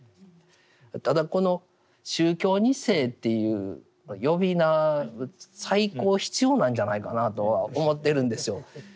ただこの「宗教２世」っていう呼び名再考必要なんじゃないかなとは思ってるんですよ。